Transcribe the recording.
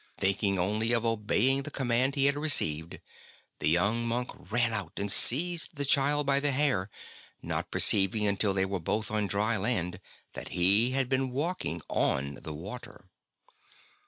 Thinking only of obeying the command he had received, the young monk ran out and seized the child by the hair, not perceiving until they were both on dry land that he had been walking on the water.